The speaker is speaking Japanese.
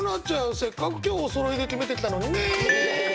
せっかく今日おそろいで決めてきたのに。ね。ね。ね。